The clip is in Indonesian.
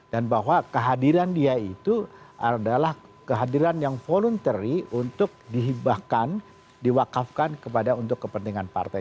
dan bahwa kehadiran dia itu adalah kehadiran yang voluntary untuk dihibahkan diwakafkan kepada untuk kepentingan partai